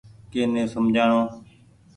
ڪي ني سمجهاڻو ۔